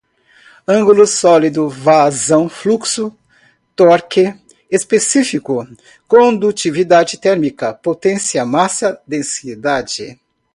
ângulo sólido, vazão, fluxo, torque, específico, condutividade térmica, potência, massa, densidade